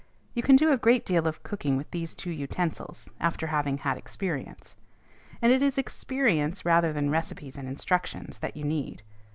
You can do a great deal of good cooking with these two utensils, after having had experience; and it is experience, rather than recipes and instructions, that you need.